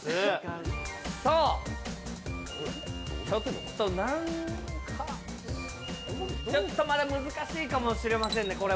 ちょっとまだ難しいかもしれませんね